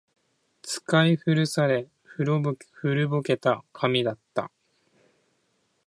使い古され、古ぼけた紙だった